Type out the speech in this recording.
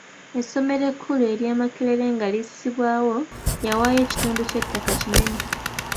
Essomero ekkulu ery'e Makerere nga lissibwawo yawaayo ekitundu ky'ettaka kinene.